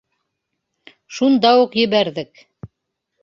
Шунда уҡ ебәрҙек.